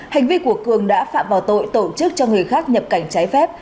hành vi của cường đã phạm vào tội tổ chức cho người khác nhập cảnh trái phép